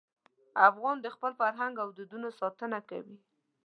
افغان د خپل فرهنګ او دودونو ساتنه کوي.